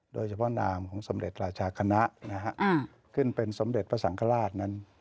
นามของสมเด็จราชาคณะขึ้นเป็นสมเด็จพระสังฆราชนั้น